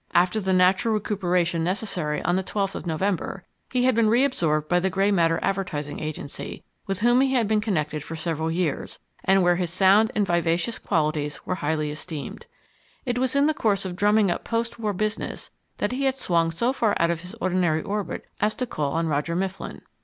After the natural recuperation necessary on the 12th of November, he had been re absorbed by the Grey Matter Advertising Agency, with whom he had been connected for several years, and where his sound and vivacious qualities were highly esteemed. It was in the course of drumming up post war business that he had swung so far out of his ordinary orbit as to call on Roger Mifflin.